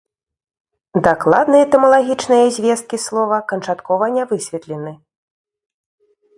Дакладныя этымалагічныя звесткі слова канчаткова не высветлены.